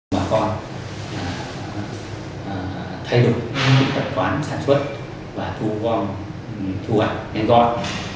bà con thay đổi tập quán sản xuất và thu hoạch ngay gọi